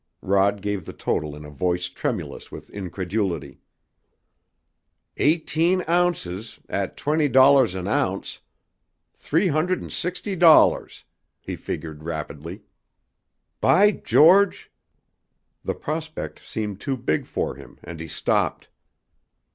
Rod gave the total in a voice tremulous with incredulity. "Eighteen ounces at twenty dollars an ounce three hundred and sixty dollars!" he figured rapidly. "By George " The prospect seemed too big for him, and he stopped.